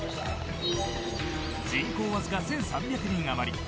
人口わずか１３００人余り。